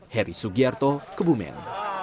heri sugiarto kebumen